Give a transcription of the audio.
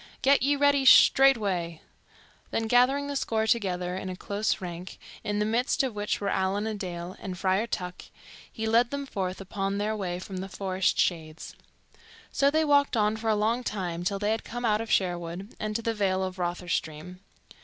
"Get ye ready straightway." Then gathering the score together in a close rank, in the midst of which were Allan a Dale and Friar Tuck, he led them forth upon their way from the forest shades. So they walked on for a long time till they had come out of Sherwood and to the vale of Rotherstream.